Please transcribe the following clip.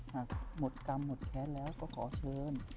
หากหมดกรรมหมดแค้นแล้วก็ขอเชิญ